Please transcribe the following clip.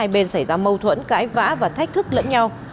hai bên xảy ra mâu thuẫn cãi vã và thách thức lẫn nhau